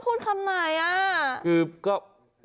ไม่รู้จะพูดคำไหน